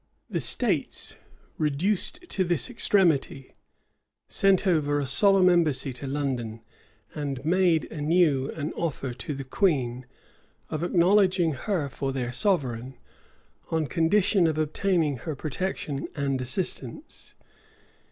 The states, reduced to this extremity, sent over a solemn embassy to London, and made anew an offer to the queen of acknowledging her for their sovereign, on condition of obtaining her protection and assistance.